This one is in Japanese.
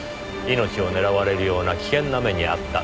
命を狙われるような危険な目に遭った。